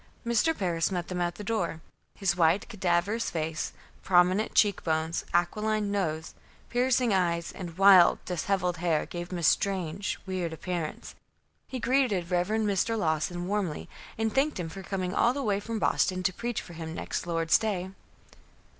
Mr. Parris met them at the door. His white, cadaverous face, prominent cheek bones, aquiline nose, piercing eyes, and wild, disheveled hair giving him a strange, weird appearance. He greeted Reverend Mr. Lawson warmly and thanked him for coming all the way from Boston to preach for him next Lord's Day.